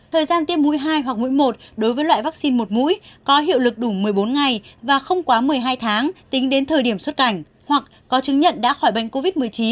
thời gian tiêm mũi hai hoặc mũi một đối với loại vaccine một mũi có hiệu lực đủ một mươi bốn ngày và không quá một mươi hai tháng tính đến thời điểm xuất cảnh hoặc có chứng nhận đã khỏi bệnh covid một mươi chín